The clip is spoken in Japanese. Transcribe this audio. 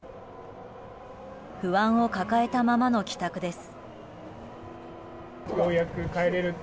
不安を抱えたままの帰宅です。